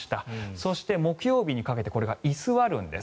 そして、木曜日にかけてこれが居座るんです。